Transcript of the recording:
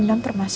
pulang ke rumah